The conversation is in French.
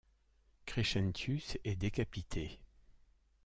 Crescentius est décapité.